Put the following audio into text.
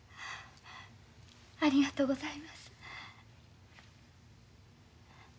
ありがとうございます。